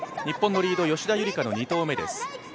日本のリード、吉田夕梨花の２投目です。